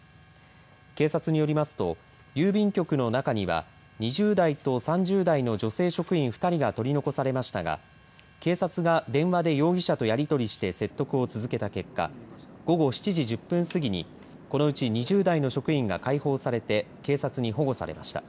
警察によりますと郵便局の中には２０代と３０代の女性職員２人が取り残されましたが警察が電話で容疑者とやり取りして説得を続けた結果午後７時１０分過ぎにこのうち２０代の職員が解放されて警察に保護されました。